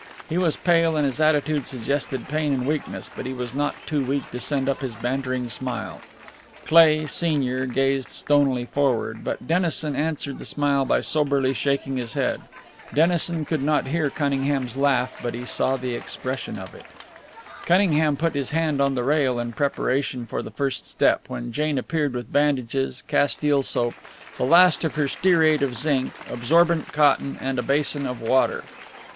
He was pale, and his attitude suggested pain and weakness, but he was not too weak to send up his bantering smile. Cleigh, senior, gazed stonily forward, but Dennison answered the smile by soberly shaking his head. Dennison could not hear Cunningham's laugh, but he saw the expression of it. Cunningham put his hand on the rail in preparation for the first step, when Jane appeared with bandages, castile soap, the last of her stearate of zinc, absorbent cotton and a basin of water.